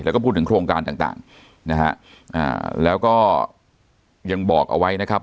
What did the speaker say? แล้วก็พูดถึงโครงการต่างต่างนะฮะอ่าแล้วก็ยังบอกเอาไว้นะครับ